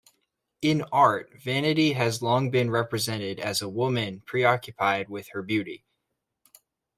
In art, vanity has long been represented as a woman preoccupied with her beauty.